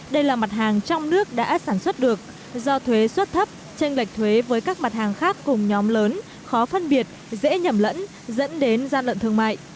đây là mặt hàng trong nước đã sản xuất được do thuế xuất thấp tranh lệch thuế với các mặt hàng khác cùng nhóm lớn khó phân biệt dễ nhầm lẫn dẫn đến gian lận thương mại